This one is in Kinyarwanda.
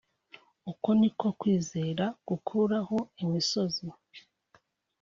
uko ni ko kwizera gukuraho imisozi